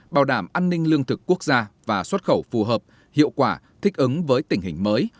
bảo đảm an ninh lương thực quốc gia và xuất khẩu phù hợp hiệu quả thích ứng với tình hình mới